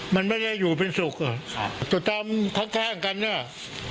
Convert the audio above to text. มันไม่ได้อยู่เป็นสุขจำโทรแท้กันเนี่ย